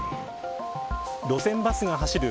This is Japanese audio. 路線バスが走る